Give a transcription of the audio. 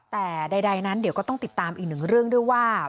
แต่ใดนั้นเดี๋ยวก็ต้องติดตามอีกหนึ่งเรื่องด้วยว่า